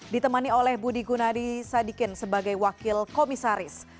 ditemani oleh budi gunadi sadikin sebagai wakil komisaris